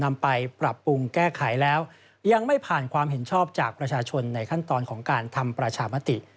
นำไปปรับปรุงแก้ไขแล้วยังไม่ผ่านความเห็นชอบจากประชาชนในขั้นตอนของการทำประชามติ